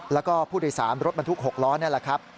แล้วก็ผู้โดยสารรถบรรทุก๖ล้อนี่แหละครับ